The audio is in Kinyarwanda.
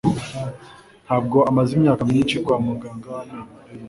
Ntabwo amaze imyaka myinshi kwa muganga w amenyo.